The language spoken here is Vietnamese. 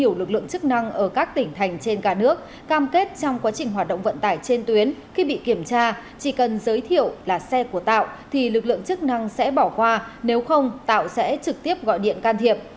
khi các lực lượng chức năng ở các tỉnh thành trên cả nước cam kết trong quá trình hoạt động vận tải trên tuyến khi bị kiểm tra chỉ cần giới thiệu là xe của tạo thì lực lượng chức năng sẽ bỏ qua nếu không tạo sẽ trực tiếp gọi điện can thiệp